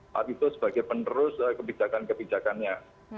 pak ritus sebagai penerus kebijakan kebijakannya